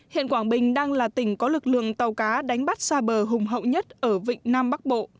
hiện quảng bình đang là tỉnh có lực lượng tàu cá đánh bắt xa bờ hùng hậu nhất ở vịnh nam bắc bộ